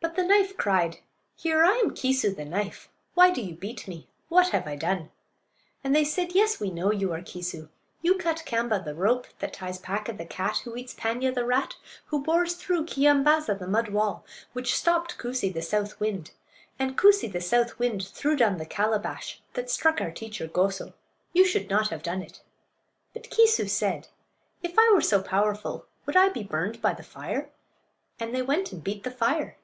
But the knife cried: "Here! I am Kee'soo, the knife. Why do you beat me? What have I done?" And they said: "Yes, we know you are Keesoo; you cut Kaamba, the rope; that ties Paaka, the cat; who eats Paanya, the rat; who bores through Keeyambaaza, the mud wall; which stopped Koosee, the south wind; and Koosee, the south wind, threw down the calabash that struck our teacher Goso. You should not have done it." But Keesoo said, "If I were so powerful would I be burned by the fire?" And they went and beat the fire.